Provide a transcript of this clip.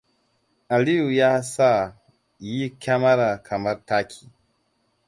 Aliyu ya sa yi kyamara kamar taki.